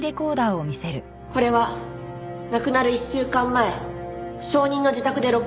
これは亡くなる１週間前証人の自宅で録音したものです。